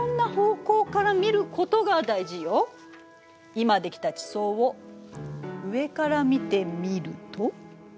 今できた地層を上から見てみると？